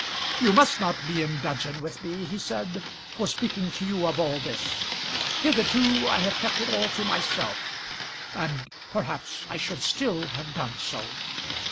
"You must not be in dudgeon with me," he said, "for speaking to you of all this. Hitherto I have kept it all to myself, and perhaps I should still have done so."